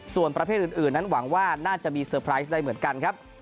ส่วนประเภทอื่นนั้นหวังว่าน่าจะมีเซอร์ไพรส์ได้เหมือนกันครับ